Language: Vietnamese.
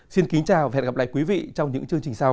xin kính chào và hẹn gặp lại quý vị trong những chương trình sau